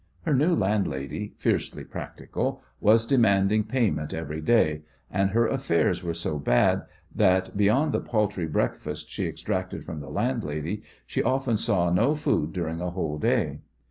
Her new landlady, fiercely practical, was demanding payment every day, and her affairs were so bad that, beyond the paltry breakfast she extracted from the landlady, she often saw no food during a whole day.